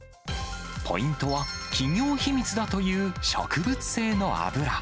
ポイントは、企業秘密だという植物性の油。